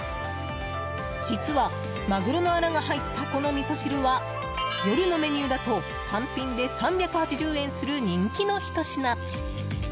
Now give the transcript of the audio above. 実はマグロのアラが入ったこのみそ汁は夜のメニューだと単品で３８０円する人気のひと品。